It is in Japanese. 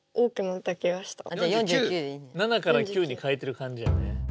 ７から９に変えてるかんじやね。